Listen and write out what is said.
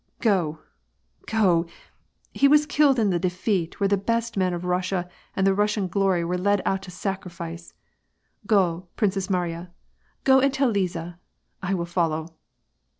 " Go, go ; he was killed in that defeat where the best men of Eussia and Russian glory were led out to sacrifice. Go, Princess Mai iya. Go and tell Liza. I will follow."